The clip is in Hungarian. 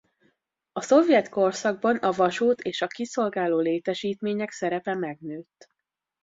A szovjet korszakban a vasút és a kiszolgáló létesítmények szerepe megnőtt.